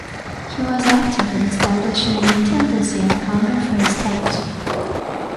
He was active in establishing the intendancy in Congo Free State.